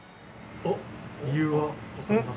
おっ理由はわかります？